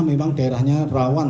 memang daerahnya rawan